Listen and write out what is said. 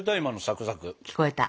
聞こえた？